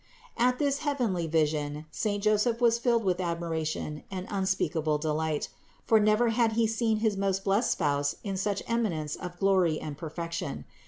411. At this heavenly vision saint Joseph was filled with admiration and unspeakable 'delight ; for never had he seen his most blessed Spouse in such eminence of glory and perfection.